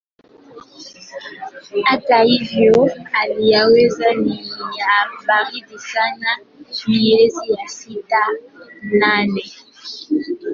Hata hivyo hali ya hewa ni ya baridi sana miezi ya sita hadi nane.